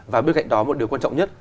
và bên cạnh đó một điều quan trọng nhất